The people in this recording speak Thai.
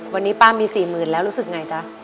วันนี้ป้ามี๔๐๐๐แล้วรู้สึกไงจ๊ะ